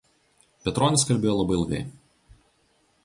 Petronis kalbėjo labai ilgai.